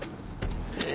え